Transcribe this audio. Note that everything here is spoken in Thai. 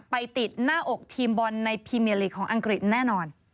ไปติดหน้าอกทีมบอลในพรีเมียลีกของอังกฤษแน่นอน